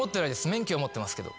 免許は持ってますけど。